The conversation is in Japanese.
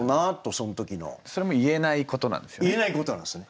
それも言えないことなんですよね。